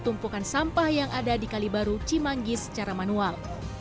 tumpukan sampah yang ada di kalibaru cimanggis secara manual